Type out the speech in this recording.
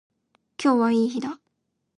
今日はいい日だ。